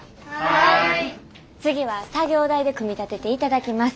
次は作業台で組み立てていただきます。